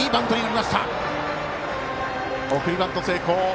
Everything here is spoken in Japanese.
送りバント成功。